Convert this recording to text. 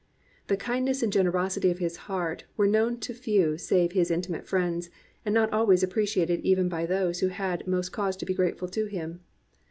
The kindness and generosity of his heart were known to few save his intimate friends, and not always appreciated even by those who had most cause to be grateful to him.